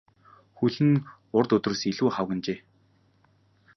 Хөл нь урд өдрөөс илүү хавагнажээ.